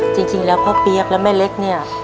จริงแล้วพ่อเปี๊ยกและแม่เล็กเนี่ย